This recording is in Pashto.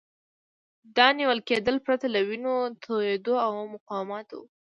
دا نیول کېدل پرته له وینو توېیدو او مقاومته وو.